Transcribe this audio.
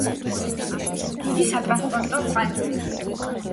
დიდი სატრანსპორტო კვანძი.